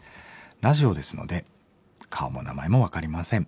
ラジオですので顔も名前も分かりません。